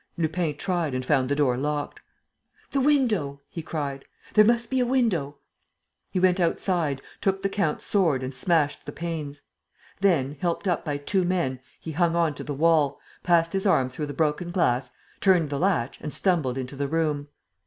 Lupin tried and found the door locked: "The window!" he cried. "There must be a window!" He went outside, took the count's sword and smashed the panes. Then, helped up by two men, he hung on to the wall, passed his arm through the broken glass, turned the latch and stumbled into the room.